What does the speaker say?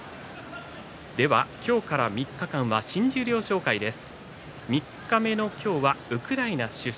今日から３日間は新十両紹介です。